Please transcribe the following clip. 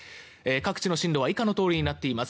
各地の震度は以下のようになっています。